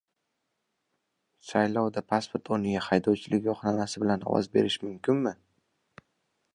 Saylovda pasport o‘rniga haydovchilik guvohnomasi bilan ovoz berish mumkinmi?